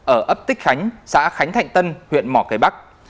ở ấp tích khánh xã khánh thạnh tân huyện mỏ cây bắc